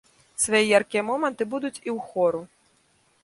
Свае яркія моманты будуць і ў хору.